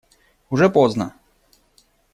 Уже поздно.